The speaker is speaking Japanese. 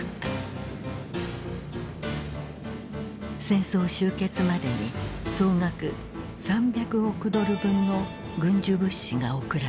戦争終結までに総額３００億ドル分の軍需物資が送られた。